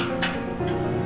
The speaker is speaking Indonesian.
uya buka gerbang